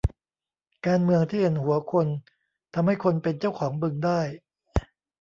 การเมืองที่เห็นหัวคนทำให้คนเป็นเจ้าของบึงได้